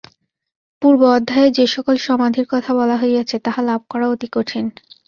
পূর্ব অধ্যায়ে যে-সকল সমাধির কথা বলা হইয়াছে, তাহা লাভ করা অতি কঠিন।